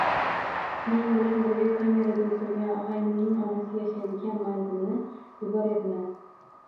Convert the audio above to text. Men bilan bir kamerada o`tirgan og`aynimning onasi yashaydigan manzilni yuboryapman